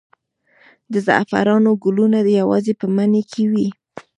د زعفرانو ګلونه یوازې په مني کې وي؟